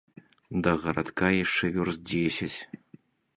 Да гарадка яшчэ вёрст дзесяць.